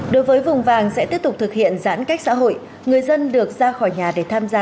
đối với vùng vàng sẽ tiếp tục thực hiện giãn cách xã hội người dân được ra khỏi nhà để tham gia